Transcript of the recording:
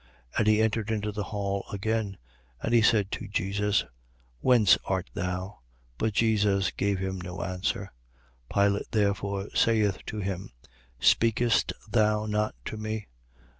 19:9. And he entered into the hall again; and he said to Jesus: Whence art thou? But Jesus gave him no answer. 19:10. Pilate therefore saith to him: Speakest thou not to me?